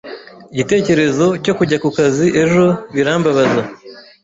Igitekerezo cyo kujya kukazi ejo birambabaza.